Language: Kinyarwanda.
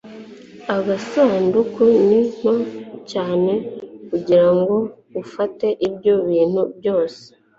agasanduku ni nto cyane kugirango ufate ibyo bintu byose